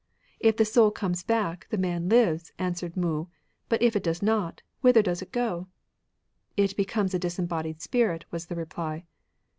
''If the soul comes back, the man lives, answered Mou ; but if it does not, whither does it go ? "It becomes a disembodied spirit, was the reply.